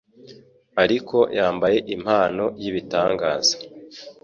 Ariko yambaye impano y'ibitangaza